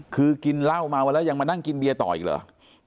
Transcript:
คือกินเหล้ามาวันแล้วยังมานั่งกินเบียร์ต่ออีกเหรอ